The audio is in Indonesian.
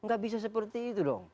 gak bisa seperti itu dong